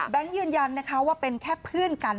แบงค์ยืนยันว่าเป็นแค่เพื่อนกัน